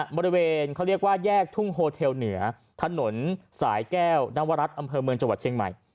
บริเวณเขาเรียกว่าแยกทุ่งโฮเทลเหนือถนนสายแก้วนวรัฐอำเภอเมืองจังหวัดเชียงใหม่